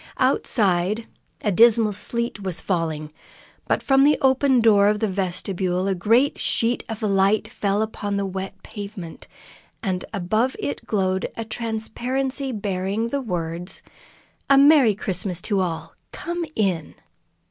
Outside, a dismal sleet was falling, but from the open door of the vestibule a great sheet of light fell upon the wet pavement, and above it glowed a transparency bearing the words: "A Merry Christmas to all! Come in!"